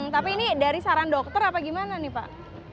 tapi ini dari saran dokter apa gimana nih pak